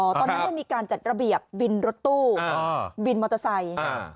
ตอนนั้นได้มีการจัดระเบียบวินรถตู้บินมอเตอร์ไซค์